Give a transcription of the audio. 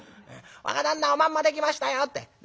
「『若旦那おまんまできましたよ』ってこの声がかかる。